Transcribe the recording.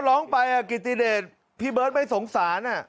ก็หลองไปอ่ะกริตติเดตพี่เบิร์ตไม่สงสารอ่ะ